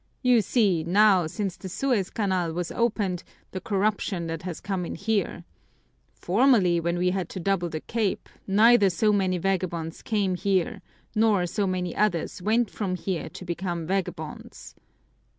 You see now, since the Suez Canal was opened, the corruption that has come in here. Formerly, when we had to double the Cape, neither so many vagabonds came here nor so many others went from here to become vagabonds."